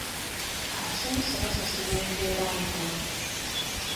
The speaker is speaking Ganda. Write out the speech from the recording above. Abasomesa basasulwa empeera ntono.